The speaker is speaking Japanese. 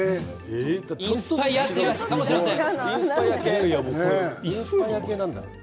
インスパイアってやつかもしれません。